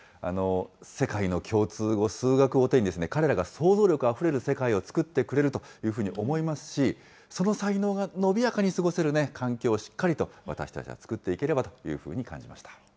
世界の共通語、数学を手に、彼らがそうぞう力あふれる世界を作ってくれるというふうに思いますし、その才能が伸びやかに過ごせる環境をしっかりと私たちが作っていければというふうに感じました。